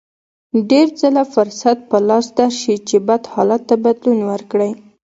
ډېر ځله فرصت په لاس درشي چې بد حالت ته بدلون ورکړئ.